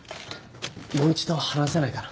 もう一度話せないかな？